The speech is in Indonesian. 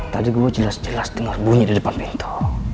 tadi gue jelas jelas dengar bunyi di depan pintu